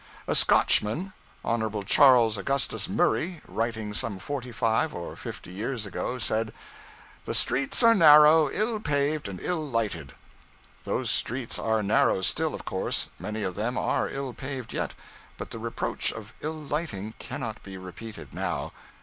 A Scotchman, Hon. Charles Augustus Murray, writing some forty five or fifty years ago, said 'The streets are narrow, ill paved and ill lighted.' Those streets are narrow still, of course; many of them are ill paved yet; but the reproach of ill lighting cannot be repeated, now.